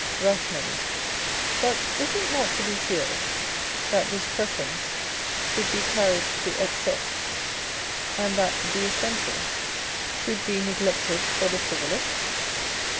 Rationalist. But is it not to be feared that this preference should be carried to excess, and that the essential should be neglected for the frivolous